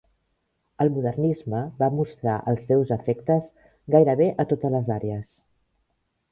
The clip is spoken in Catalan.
El modernisme va mostrar els seus efectes gairebé a totes les àrees.